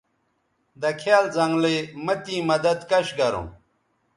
دکھیال زنگلئ مہ تیں مدد کش گروں